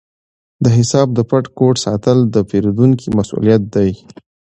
د حساب د پټ کوډ ساتل د پیرودونکي مسؤلیت دی۔